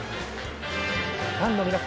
ファンの皆様